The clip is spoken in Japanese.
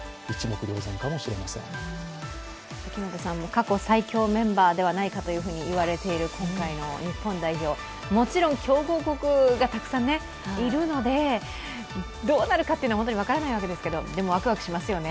過去最強メンバーではないかと言われている今回の日本代表、もちろん、強豪国がたくさんいるのでどうなるかというのは本当に分からないですけど、でも、ワクワクしますよね。